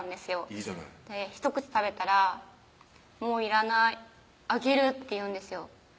いいじゃない一口食べたら「もういらない」「あげる」って言うんですよ